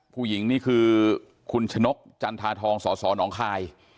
ผู้หญิงนี่คือคุณชนกจันทาทองสอสอน้องคาย